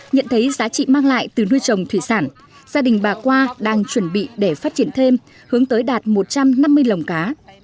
nhận thấy giá trị mang lại từ nuôi trồng thủy sản gia đình bà qua đang chuẩn bị để phát triển thêm hướng tới đạt một trăm năm mươi lồng cá